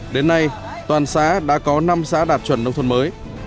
đến nay toàn xã đã có năm xã đạt chuẩn nông thôn mới